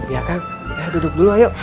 ya kang duduk dulu ayo